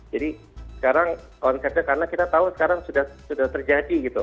jadi sekarang konsepnya karena kita tahu sekarang sudah terjadi gitu